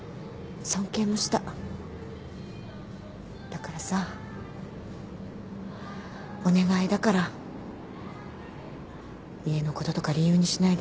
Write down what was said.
だからさお願いだから家のこととか理由にしないでね。